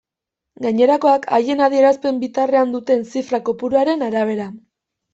Gainerakoak, haien adierazpen bitarrean duten zifra kopuruaren arabera.